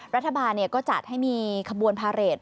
รัฐบาลก็จัดให้มีขบวนพาเรท